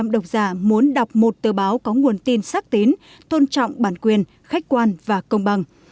chín mươi chín độc giả muốn đọc một tờ báo có nguồn tin sắc tín tôn trọng bản quyền khách quan và công bằng